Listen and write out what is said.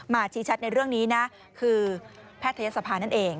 ชี้ชัดในเรื่องนี้นะคือแพทยศภานั่นเอง